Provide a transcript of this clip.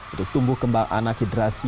untuk tumbuh kembang anak hidrasi